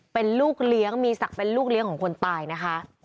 เป็นลูกเลี้ยงมีศักดิ์เป็นลูกเลี้ยงของคนตายนะคะ